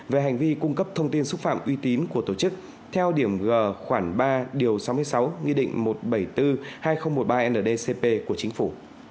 về hành vi cung cấp thông tin xúc phạm uy tín của tổ chức theo điểm g khoảng ba điều sáu mươi sáu nghị định một trăm bảy mươi bốn hai nghìn một mươi ba ndcp của chính phủ